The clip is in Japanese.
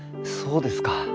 そうですか。